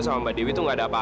kalian ada hubungan apa